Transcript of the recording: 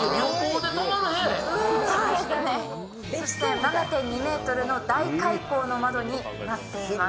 ７．２ｍの大開口の窓になっています。